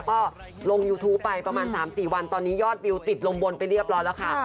ก็ลงยูทูปไปประมาณ๓๔วันตอนนี้ยอดวิวติดลงบนไปเรียบร้อยแล้วค่ะ